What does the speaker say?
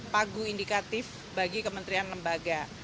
pagu indikatif bagi kementerian lembaga